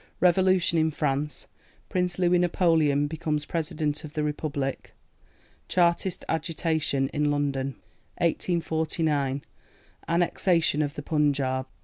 Revolution in France. Prince Louis Napoleon becomes President of the Republic. Chartist Agitation in London. 1849. Annexation of the Punjab.